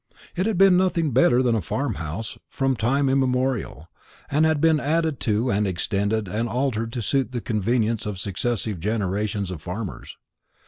It had been nothing better than a farm house from time immemorial, and had been added to and extended and altered to suit the convenience of successive generations of farmers.